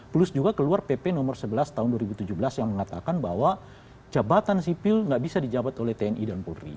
plus juga keluar pp nomor sebelas tahun dua ribu tujuh belas yang mengatakan bahwa jabatan sipil nggak bisa dijabat oleh tni dan polri